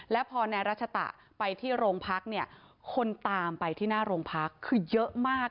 แล้วพอนายรัชตะไปที่โรงพักเนี่ยคนตามไปที่หน้าโรงพักคือเยอะมาก